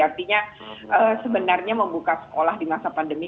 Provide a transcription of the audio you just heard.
artinya sebenarnya membuka sekolah di masa pandemi